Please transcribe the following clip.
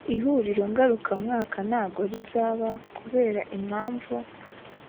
ihuriro ngarukamwaka ntago rizaba kubera impamvu